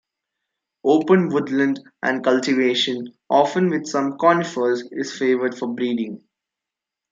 Open woodland and cultivation, often with some conifers, is favoured for breeding.